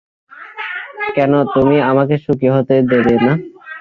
কেন তুমি আমাকে সুখী হতে দেবে না?